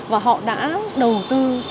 và họ đã đầu tư